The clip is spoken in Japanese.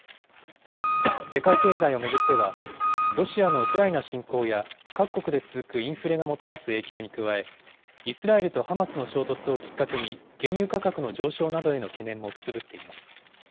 世界経済を巡っては、ロシアのウクライナ侵攻や各国で続くインフレがもたらす影響に加え、イスラエルとハマスの衝突をきっかけに、原油価格の上昇などへの懸念もくすぶっています。